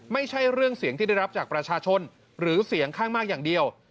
ไม่ใช่เรื่องเสียงที่ได้รับจากประชาชนหรือเสียงข้างมากอย่างเดียว